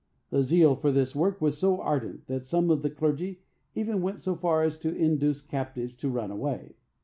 The zeal for this work was so ardent that some of the clergy even went so far as to induce captives to run away.